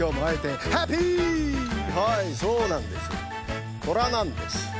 はいそうなんです。